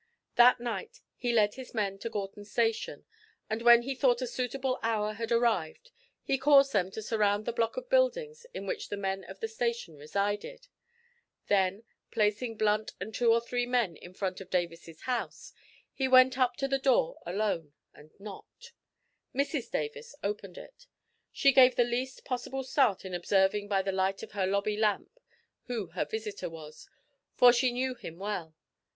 That night he led his men to Gorton station, and when he thought a suitable hour had arrived, he caused them to surround the block of buildings in which the men of the station resided. Then, placing Blunt and two or three men in front of Davis's house, he went up to the door alone and knocked. Mrs Davis opened it. She gave the least possible start on observing by the light of her lobby lamp who her visitor was for she knew him well.